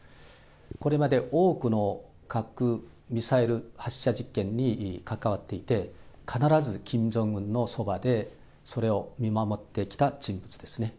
これまで多くの核・ミサイル発射実験に関わっていて、必ずキム・ジョンウンのそばでそれを見守ってきた人物ですね。